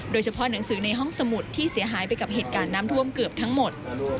โดยเฉพาะหนังสือในห้องสมุดที่เสียหายไปกับเหตุการณ์น้ำท่วมเกือบทั้งหมด